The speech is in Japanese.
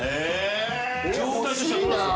状態としてはどうなんですか？